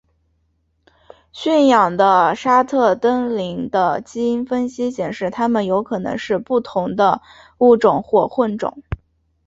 驯养的沙特瞪羚的基因分析显示它们有可能是不同的物种或混种。